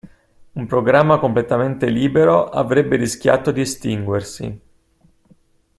Un programma completamente libero avrebbe rischiato di estinguersi.